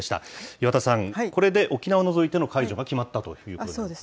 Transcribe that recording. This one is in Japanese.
岩田さん、これで沖縄を除いての解除が決まったということですか。